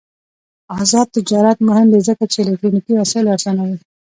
آزاد تجارت مهم دی ځکه چې الکترونیکي وسایل ارزانوي.